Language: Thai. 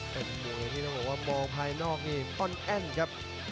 เป็นมวยที่ต้องบอกว่ามองภายนอกนี่อ้อนแอ้นครับ